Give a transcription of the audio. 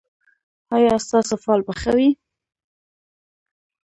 ایا ستاسو فال به ښه وي؟